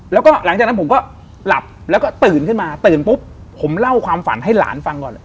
แล้วก็หลังจากนั้นผมก็หลับแล้วก็ตื่นขึ้นมาตื่นปุ๊บผมเล่าความฝันให้หลานฟังก่อน